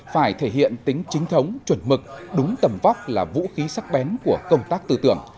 phải thể hiện tính chính thống chuẩn mực đúng tầm vóc là vũ khí sắc bén của công tác tư tưởng